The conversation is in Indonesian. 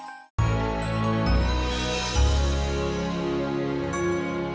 apa yang mau gue mungkin